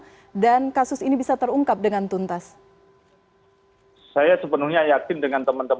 oke baik bang boyamin sebagai penutup kasus ini sudah menyita perhatian publik sejak awal bagaimana memastikan bahwa ini hanya celah saja untuk masuk lebih dalam